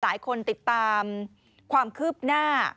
หลายคนติดตามความคืบหน้า